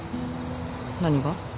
何が？